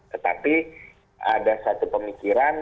tetapi ada satu pemikiran